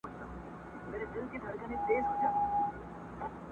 امر دی د پاک یزدان ګوره چي لا څه کیږي٫